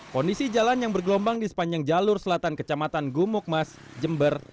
kondisi jalan yang bergelombang di sepanjang jalur selatan kecamatan gumukmas jember